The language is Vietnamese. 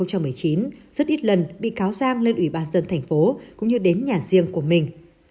rất ít lần bị cáo giang lên ủy ban dân thành phố cũng như đến nhà riêng của mình